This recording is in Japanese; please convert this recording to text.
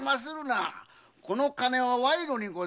この金は賄賂にございましょう？